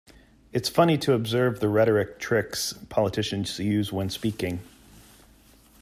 It's funny to observe the rhetoric tricks politicians use when speaking.